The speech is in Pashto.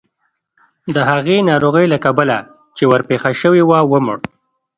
د هغې ناروغۍ له کبله چې ورپېښه شوې وه ومړ.